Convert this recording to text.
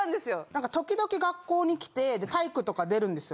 なんか時々学校に来て体育とか出るんですよ。